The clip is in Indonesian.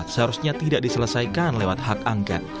seharusnya tidak diselesaikan lewat hak angket